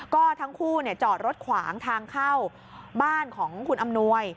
ก็ทั้งคู่จอดรถขวางทางเข้าบ้านของคุณอำนวย